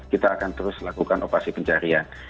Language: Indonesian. kita akan terus lakukan operasi pencarian